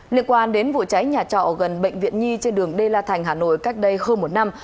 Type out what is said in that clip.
liên quan đến vụ cháy nhà trọ gần bệnh viện nhi trên đường đê la thành hà nội cách đây hơn một năm